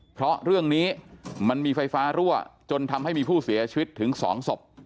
เพราะเรื่องนี้มันมีไฟฟ้ารั่วจนทำให้มีผู้เสียชีวิตถึง๒ศพ